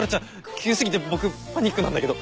急過ぎて僕パニックなんだけど。